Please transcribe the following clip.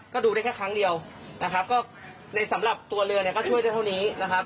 ก็ดูได้แค่ครั้งเดียวนะครับก็ในสำหรับตัวเรือเนี่ยก็ช่วยได้เท่านี้นะครับ